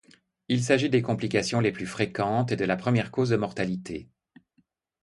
Il s’agit des complications les plus fréquentes et de la première cause de mortalité.